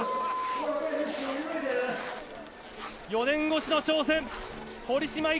４年越しの挑戦堀島